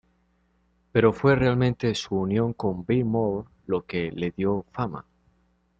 Pero fue realmente su unión con Bill Monroe lo que le dio fama.